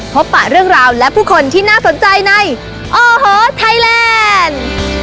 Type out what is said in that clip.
ปะเรื่องราวและผู้คนที่น่าสนใจในโอ้โหไทยแลนด์